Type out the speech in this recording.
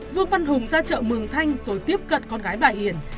vương văn hùng ra chợ mường thanh rồi tiếp cận con gái bà hiền